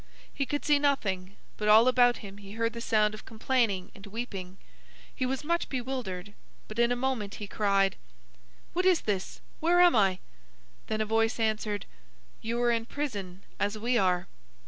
He could see nothing, but all about him he heard the sound of complaining and weeping. He was much bewildered, but in a moment he cried: "What is this? Where am I?" Then a voice answered: "You are in prison, as we are."